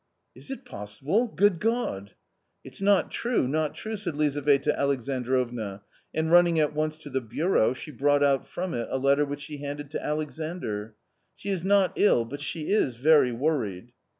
" Is it possible ? Good God !"" It's not true, not true !" said Lizaveta Alexandrovna, and running at once to the bureau she brought out from it a letter which she handed to Alexandr. " She is not ill, but she is very worried."